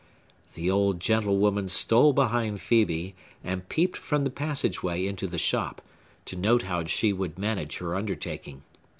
The old gentlewoman stole behind Phœbe, and peeped from the passageway into the shop, to note how she would manage her undertaking.